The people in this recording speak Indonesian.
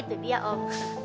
itu dia om